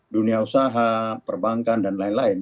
dunia usaha perbankan dan lain lain